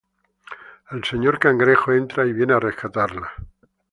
El Señor Cangrejo entra y viene a rescatarla.